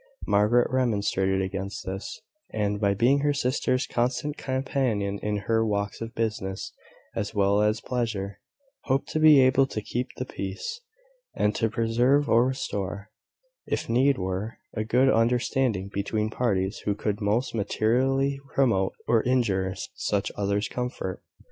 Margaret remonstrated against this; and, by being her sister's constant companion in her walks of business as well as pleasure, hoped to be able to keep the peace, and to preserve or restore, if need were, a good understanding between parties who could most materially promote or injure each other's comfort.